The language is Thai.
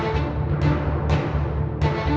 ไม่ทำได้ไม่ทำได้